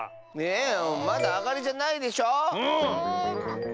ねえまだあがりじゃないでしょ？